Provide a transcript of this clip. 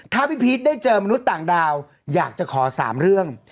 ถ้าพี่พีชได้เจอมนุษย์ต่างดาวอยากจะขอ๓เรื่อง